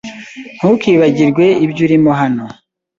Ntukibagirwe ibyo urimo hano.